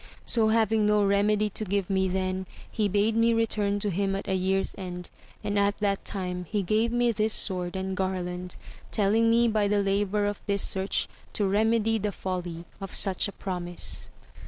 So having no remedy to give me then, he bade me return to him at a year's end, and at that time he gave me this sword and garland, telling me by the labour of this search to remedy the folly of such a promise.